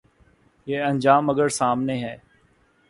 یہ انجام اگر سامنے ہے۔